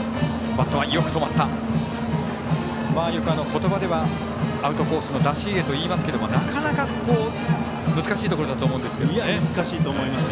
言葉ではアウトコースの出し入れとは言いますがなかなか、難しいところだと思うんですけれども。